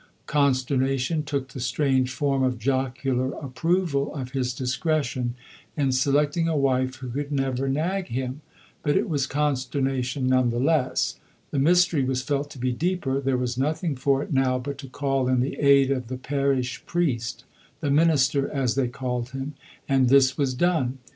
Consternation took the strange form of jocular approval of his discretion in selecting a wife who could never nag him but it was consternation none the less. The mystery was felt to be deeper; there was nothing for it now but to call in the aid of the parish priest "the minister," as they called him and this was done.